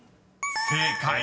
［正解］